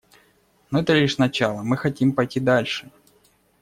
Но это лишь начало; мы хотим пойти дальше.